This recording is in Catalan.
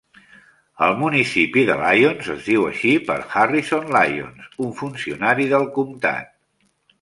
El municipi de Lyons es diu així per Harrison Lyons, un funcionari del comtat.